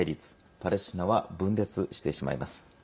パレスチナは分裂してしまいます。